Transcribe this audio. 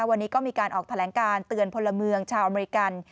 วันนี้ก็มีการออกแถลงการเตือนพลเมืองชาวอเมริกัน